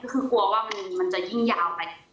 คือกลัวว่ามันจะยิ่งยาวไป